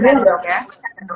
sekarang harus beri berat ya